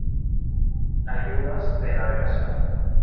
Ayudas de navegación